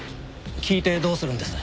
聞いてどうするんです？